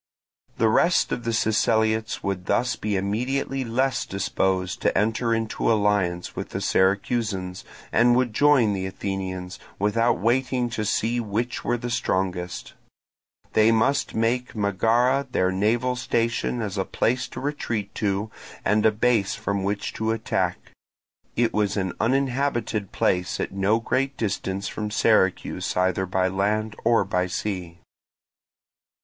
The rest of the Siceliots would thus be immediately less disposed to enter into alliance with the Syracusans, and would join the Athenians, without waiting to see which were the strongest. They must make Megara their naval station as a place to retreat to and a base from which to attack: it was an uninhabited place at no great distance from Syracuse either by land or by sea.